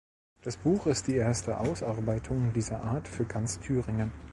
Das Buch ist die erste Ausarbeitung dieser Art für ganz Thüringen.